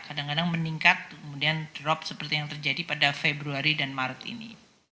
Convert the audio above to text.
kadang kadang meningkat kemudian drop seperti yang terjadi pada februari dan maret ini